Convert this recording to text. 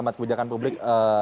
mengamat kebijakan publik